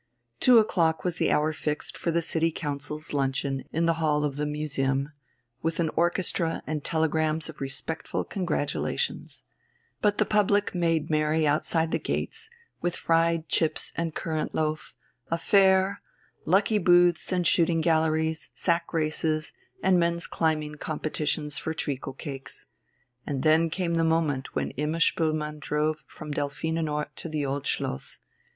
Two o'clock was the hour fixed for the City Council's luncheon in the hall of the Museum, with an orchestra and telegrams of respectful congratulations. But the public made merry outside the gates, with fried chips and currant loaf, a fair, lucky booths and shooting galleries, sack races, and men's climbing competitions for treacle cakes. And then came the moment when Imma Spoelmann drove from Delphinenort to the Old Schloss.